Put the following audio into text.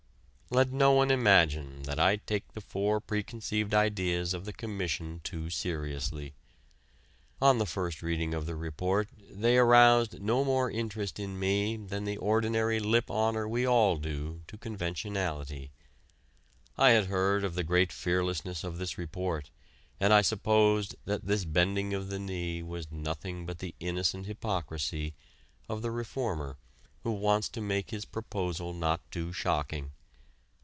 Let no one imagine that I take the four preconceived ideas of the Commission too seriously. On the first reading of the report they aroused no more interest in me than the ordinary lip honor we all do to conventionality I had heard of the great fearlessness of this report, and I supposed that this bending of the knee was nothing but the innocent hypocrisy of the reformer who wants to make his proposal not too shocking.